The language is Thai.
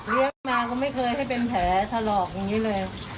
เรียกมาก็ไม่เคยให้เป็นแผลสลอกแบบนี้เลย